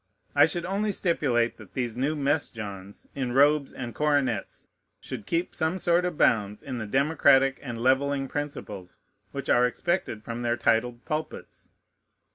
I should only stipulate that these new Mess Johns in robes and coronets should keep some sort of bounds in the democratic and levelling principles which are expected from their titled pulpits.